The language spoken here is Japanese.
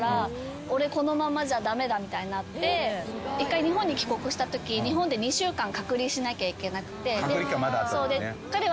１回日本に帰国したとき日本で２週間隔離しなきゃいけなくて。